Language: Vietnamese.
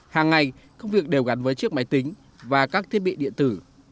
hàng ngày công việc đều gắn với chiếc máy tính và các thiết bị điện tử